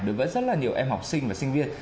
đối với rất là nhiều em học sinh và sinh viên